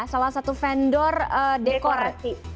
salah satu vendor dekorasi